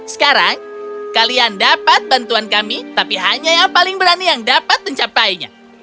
sekarang kalian dapat bantuan kami tapi hanya yang paling berani yang dapat mencapainya